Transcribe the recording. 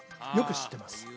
よく知ってます